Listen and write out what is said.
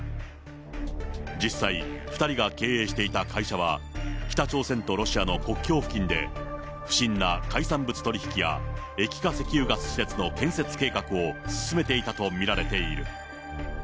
実際、２人が経営していた会社は、北朝鮮とロシアの国境付近で、不審な海産物取り引きや、液化石油ガス施設の建設計画を進めていたと見られている。